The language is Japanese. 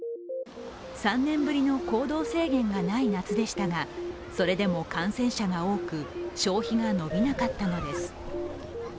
３年ぶりの行動制限がない夏でしたがそれでも感染者が多く、消費が伸びなかったのです。